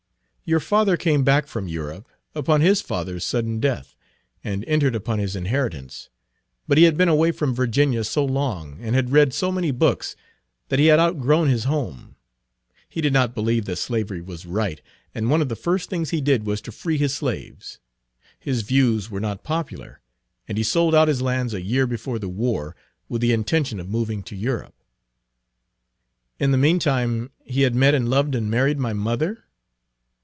Your father came back from Europe, upon his father's sudden death, and entered upon his inheritance. But he had been away from Virginia so long, and had read so many books, that he had outgrown his home. He did not Page 54 believe that slavery was right, and one of the first things he did was to free his slaves. His views were not popular, and he sold out his lands a year before the war, with the intention of moving to Europe." "In the mean time he had met and loved and married my mother?"